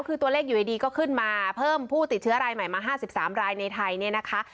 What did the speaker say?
คือตัวเลขอยู่ดีก็ขึ้นมาเพิ่มผู้ติดเชื้อรายใหม่มา๕๓รายในไทยเนี่ยนะคะ